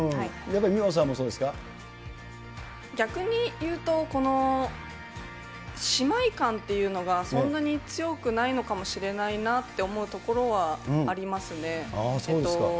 やっぱり美帆さんもそうです逆に言うと、この姉妹感っていうのがそんなに強くないのかもしれないなと思うところはありますね。